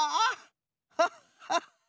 ハッハッハ！